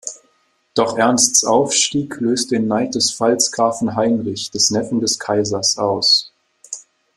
Doch Ernsts Aufstieg löst den Neid des Pfalzgrafen Heinrich, des Neffen des Kaisers, aus.